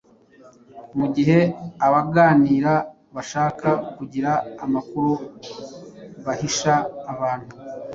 mu gihe abaganira bashaka kugira amakuru bahisha abantu,